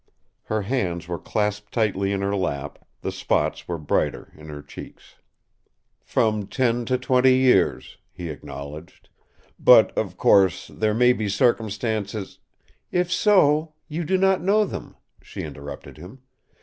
Her hands were clasped tightly in her lap, the spots were brighter in her cheeks. "From ten to twenty years," he acknowledged. "But, of course, there may be circumstances " "If so, you do not know them," she interrupted him.